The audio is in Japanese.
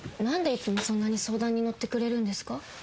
何でいつもそんなに相談に乗ってくれるんですか？